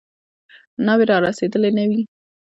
ناوې رارسېدلې نه وي.